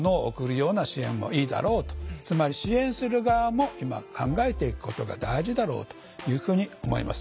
つまり支援する側も今考えていくことが大事だろうというふうに思います。